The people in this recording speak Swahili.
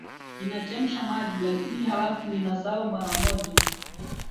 Ninachemsha maji, lakini halafu ninasahau mara moja.